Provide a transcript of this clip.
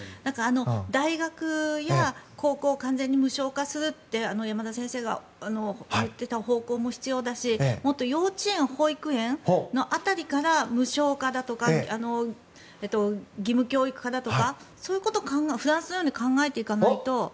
大学や高校を完全無償化にするって山田先生が言っていた方向も必要だしもっと幼稚園、保育園の辺りから無償化だとか義務教育化だとかそういうことをフランスのように考えていかないと。